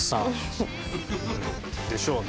フフ。でしょうね。